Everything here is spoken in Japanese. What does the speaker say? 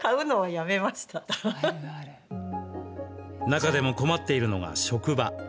中でも困っているのが職場。